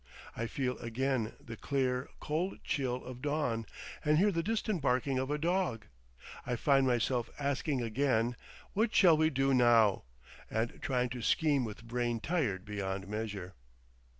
I feel again the clear, cold chill of dawn, and hear the distant barking of a dog. I find myself asking again, "What shall we do now?" and trying to scheme with brain tired beyond measure.